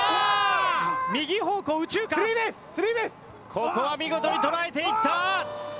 ここは見事に捉えていった！